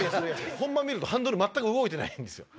本番見るとハンドル全く動いてないんですよ。